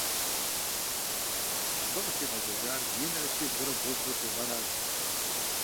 Абы къыщигъэзэжар минрэ щибгъурэ бгъущӀрэ тӀу гъэращ.